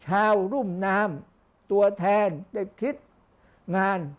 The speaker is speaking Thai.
รุ่มน้ำตัวแทนได้คิดงาน